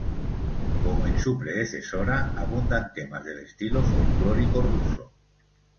Como en su predecesora, abundan temas del estilo folklórico ruso.